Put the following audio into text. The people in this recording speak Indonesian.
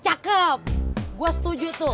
cakep gue setuju tuh